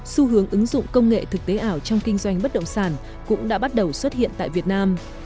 xu hướng ứng dụng công nghệ thực tế ảo trong kinh doanh bất động sản cũng đã bắt đầu xuất hiện tại việt nam